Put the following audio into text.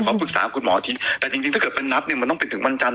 บอกว่าปรึกษาพวกคุณหมออาทิตย์แต่จริงจริงถ้าเกิดเป็นรับหนึ่งมันต้องเป็นถึงวันจันทร์